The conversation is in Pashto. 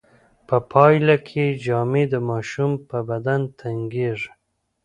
په پایله کې جامې د ماشوم په بدن تنګیږي.